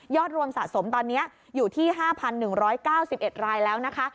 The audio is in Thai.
รวมสะสมตอนนี้อยู่ที่๕๑๙๑รายแล้วนะคะ